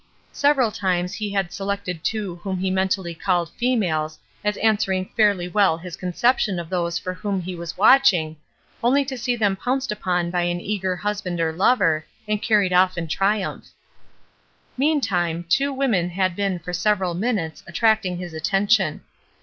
Several times he had selected two whom he mentally called '' females " as answering fairly well his conception of those for whom he was watching, only to see them pounced upon by an eager husband or lover, and carried off in triumph. Meantime, two women had been for several minutes attracting his attention.